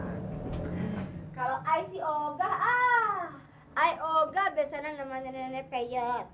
aku aku biasanya sama nenek nenek paya